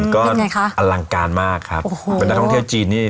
เป็นอย่างไรคะก็อลังการมากครับเป็นท่องเที่ยวจีนนี่